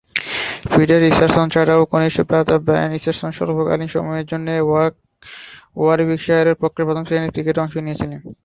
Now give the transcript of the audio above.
Peter Richardson ছাড়াও কনিষ্ঠ ভ্রাতা ব্রায়ান রিচার্ডসন স্বল্পকালীন সময়ের জন্যে ওয়ারউইকশায়ারের পক্ষে প্রথম-শ্রেণীর ক্রিকেটে অংশ নিয়েছিলেন।